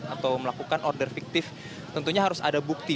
atau melakukan order fiktif tentunya harus ada bukti